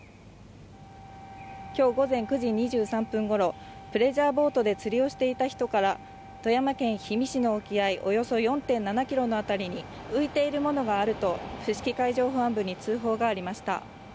今日午前９時２３分ごろ、プレジャーボートで釣りをしていた人から富山県氷見市の沖合およそ４．７ｋｍの辺りに浮いているものがあると伏木海上保安部に通報がありました。